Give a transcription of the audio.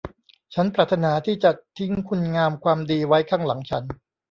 ฉันปรารถนาที่จะทิ้งคุณงามความดีไว้ข้างหลังฉัน